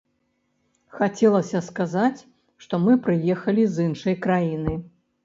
Хацелася сказаць, што мы прыехалі з іншай краіны.